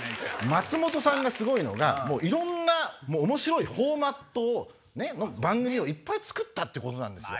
松本さんがすごいのがいろんなおもしろいフォーマットを番組をいっぱい作ったってことなんですよ。